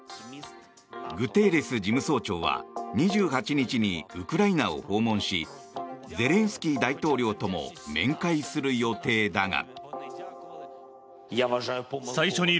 グテーレス事務総長は２８日にウクライナを訪問しゼレンスキー大統領とも面会する予定だが。